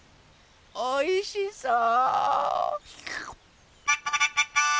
おいしそう。